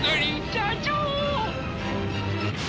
社長！